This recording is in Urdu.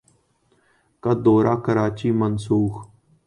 کا دورہ کراچی منسوخ